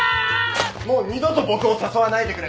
もう二度と僕を誘わないでくれ。